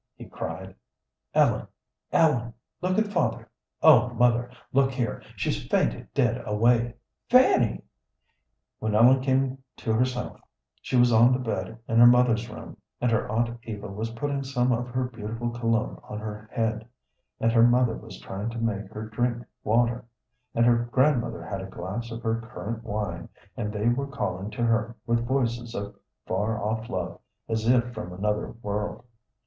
he cried. "Ellen, Ellen, look at Father! Oh, mother, look here; she's fainted dead away!" "Fanny!" When Ellen came to herself she was on the bed in her mother's room, and her aunt Eva was putting some of her beautiful cologne on her head, and her mother was trying to make her drink water, and her grandmother had a glass of her currant wine, and they were calling to her with voices of far off love, as if from another world.